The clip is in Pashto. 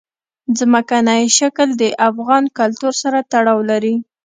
ځمکنی شکل د افغان کلتور سره تړاو لري.